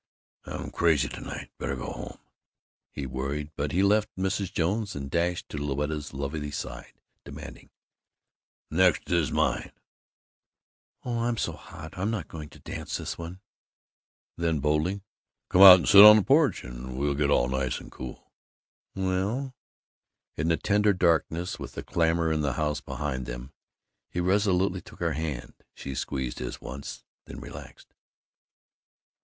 "I'm crazy to night; better go home," he worried, but he left Mrs. Jones and dashed to Louetta's lovely side, demanding, "The next is mine." "Oh, I'm so hot; I'm not going to dance this one." "Then," boldly, "come out and sit on the porch and get all nice and cool." "Well " In the tender darkness, with the clamor in the house behind them, he resolutely took her hand. She squeezed his once, then relaxed.